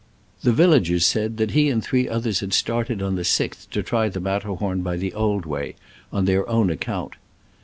The villagers said that he and three others had started on the 6th to try the Matterhorn by the old way, on their own account.